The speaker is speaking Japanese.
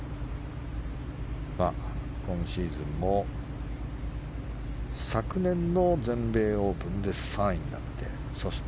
今シーズンも昨年の全米オープンで３位になってそして